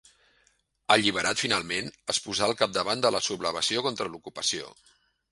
Alliberat finalment, es posà al capdavant de la sublevació contra l'ocupació.